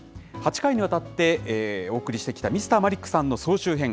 ８回にわたって、お送りしてきたＭｒマリックさんの総集編。